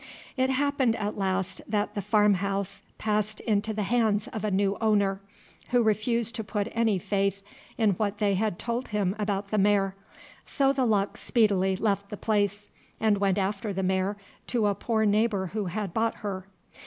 It happened at last that the farm house passed into the hands of a new owner, who refused to put any faith in what they told him about the mare, so the luck speedily left the place, and went after the mare to a poor neighbour who had bought her.